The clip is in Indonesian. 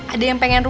ada yang pengen